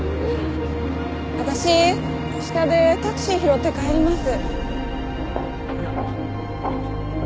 私下でタクシー拾って帰ります。